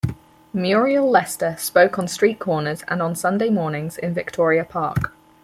Muriel Lester spoke on street corners and on Sunday mornings in Victoria Park.